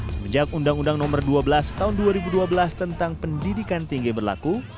semenjak undang undang nomor dua belas tahun dua ribu dua belas tentang pendidikan tinggi berlaku